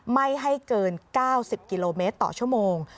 ไม่ให้เกิน๙๐กิโลเมตรต่อชั่วโมง